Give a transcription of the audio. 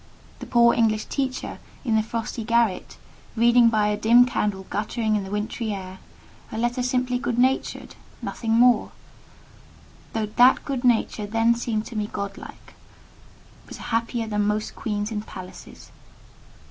The poor English teacher in the frosty garret, reading by a dim candle guttering in the wintry air, a letter simply good natured—nothing more; though that good nature then seemed to me godlike—was happier than most queens in palaces.